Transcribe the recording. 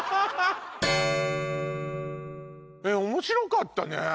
面白かったね